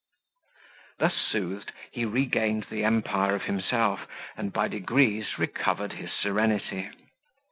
Thus soothed, he regained the empire of himself, and, by degrees, recovered his serenity.